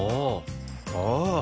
ああ。